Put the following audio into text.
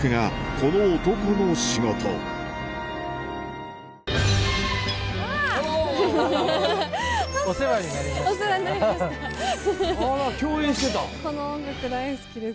この音楽大好きです。